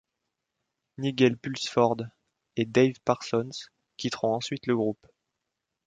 Nigel Pulsford et Dave Parsons quitteront ensuite le groupe.